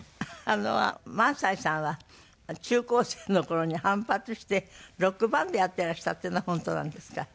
萬斎さんは中高生の頃に反発してロックバンドをやっていらしたっていうのは本当なんですか？